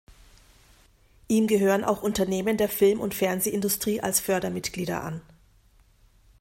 Ihm gehören auch Unternehmen der Film- und Fernsehindustrie als Fördermitglieder an.